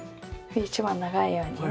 一番長いようにね。